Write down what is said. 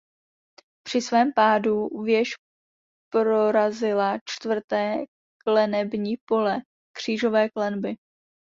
Při svém pádu věž prorazila čtvrté klenební pole křížové klenby.